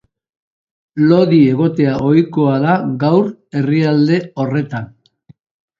Lodi egotea ohikoa da gaur herrialde horretan.